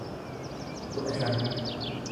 kudha shan